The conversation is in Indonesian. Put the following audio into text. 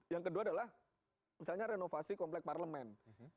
yang kedua adalah misalnya renovasi komplek parlemen